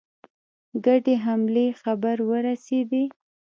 ګډې حملې خبر ورسېدی.